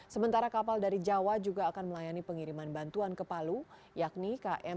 sementara kapal dari jawa juga akan melayani pengiriman bantuan ke palu yakni km ciremai berangkat dari jawa